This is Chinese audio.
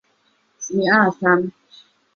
紫红鞘薹草为莎草科薹草属的植物。